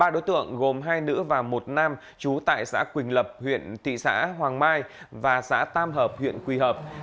ba đối tượng gồm hai nữ và một nam trú tại xã quỳnh lập huyện thị xã hoàng mai và xã tam hợp huyện quỳ hợp